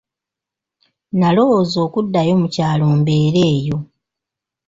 Nalowooza okuddayo mu kyalo mbeere eyo.